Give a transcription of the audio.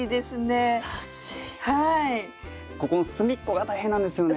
ここの隅っこが大変なんですよね。